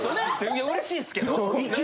いやうれしいっすけど。